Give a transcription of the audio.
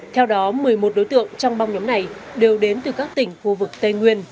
theo đó một mươi một đối tượng trong băng nhóm này đều đến từ các tỉnh khu vực tây nguyên